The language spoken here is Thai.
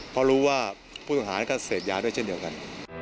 เพราะรู้ว่าผู้ต้องหาก็เสพยาด้วยเช่นเดียวกัน